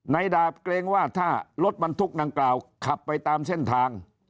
ดาบเกรงว่าถ้ารถบรรทุกดังกล่าวขับไปตามเส้นทาง